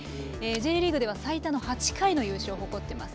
Ｊリーグでは最多の８回の優勝を誇ってます。